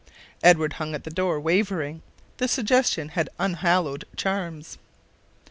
Edward hung at the door, wavering; the suggestion had unhallowed charms.